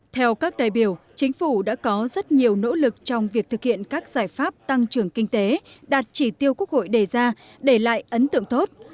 theo các đại biểu chính phủ đã có rất nhiều nỗ lực trong việc thực hiện các giải pháp tăng trưởng kinh tế đạt chỉ tiêu quốc hội đề ra để lại ấn tượng tốt